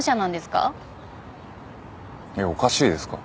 おかしいですか？